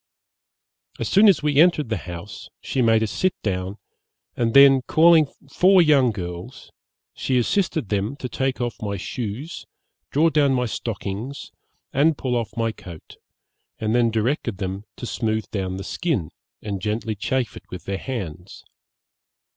As soon as we entered the house, she made us sit down, and then calling four young girls, she assisted them to take off my shoes, draw down my stockings, and pull off my coat, and then directed them to smooth down the skin, and gently chafe it with their hands.